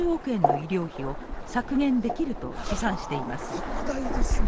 はあばく大ですね！